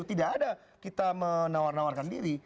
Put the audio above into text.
tidak ada kita menawarkan diri